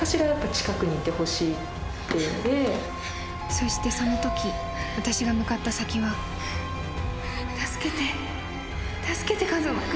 ［そしてそのとき私が向かった先は］一馬君。